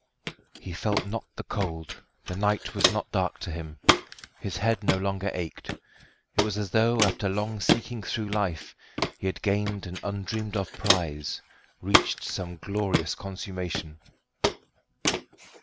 He felt not the cold, the night was not dark to him. His head no longer ached. It was as though after long seeking through life he had gained an undreamed of prize, reached some glorious consummation.